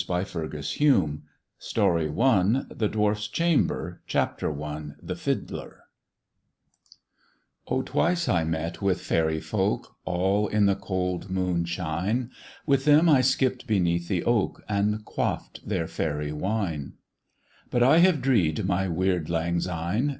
My Cousin from France 363 THE DWARF'S CHAMBER n THE DWARF'S CHAMBER Oh, twice I met with faery folk, All in the cold moonshine, • With them I skipped beneath the oak, And quaffed their faery wine. But I have dreed my weird lang syne.